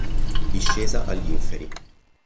Discesa agli inferi